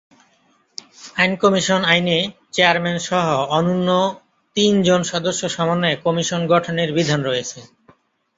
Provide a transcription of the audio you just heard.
আইন কমিশন আইনে চেয়ারম্যানসহ অন্যূন তিন জন সদস্য সমন্বয়ে কমিশন গঠনের বিধান রয়েছে।